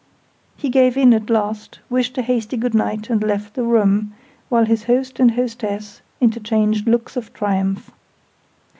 He gave in at last, wished a hasty good night, and left the room, while his host and hostess interchanged looks of triumph.